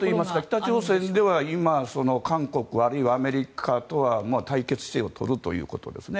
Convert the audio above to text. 北朝鮮では今、韓国あるいはアメリカとは対決姿勢を取るということですね。